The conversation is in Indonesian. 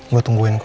gue tungguin kok